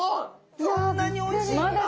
こんなにおいしいんだ！